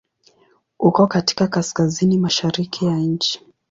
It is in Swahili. Uko katika Kaskazini mashariki ya nchi.